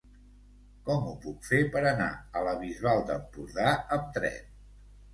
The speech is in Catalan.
Com ho puc fer per anar a la Bisbal d'Empordà amb tren?